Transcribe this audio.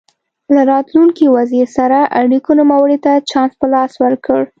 له راتلونکي وزیر سره اړیکو نوموړي ته چانس په لاس ورکړ.